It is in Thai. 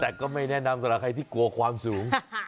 แต่ก็ไม่แนะนำสำหรับใครที่กลัวความสูง